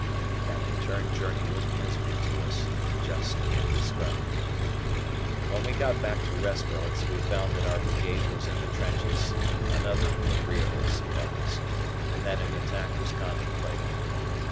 That return journey was misery to us; I just can't describe it. When we got back to rest billets, we found that our Brigade was in the trenches (another agreeable surprise), and that an attack was contemplated.